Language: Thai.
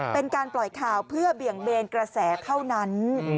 เป็นการปล่อยข่าวเพื่อเบี่ยงเบนกระแสเท่านั้น